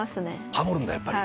ハモるんだやっぱり。